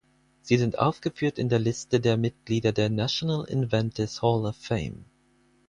Sie sind aufgeführt in der Liste der Mitglieder der National Inventors Hall of Fame.